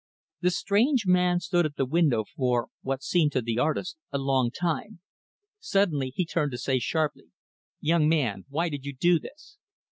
The strange man stood at the window for, what seemed to the artist, a long time. Suddenly, he turned to say sharply, "Young man, why did you do this?"